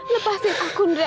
lepasin aku andre